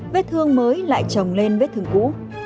vết thương mới lại trồng lên vết thương cũ